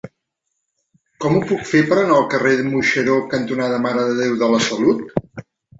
Com ho puc fer per anar al carrer Moixeró cantonada Mare de Déu de la Salut?